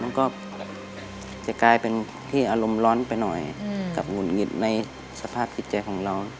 มันก็จะกลายเป็นที่อารมณ์ร้อนไปหน่อยกับหงุดหงิดในสภาพจิตใจของเรา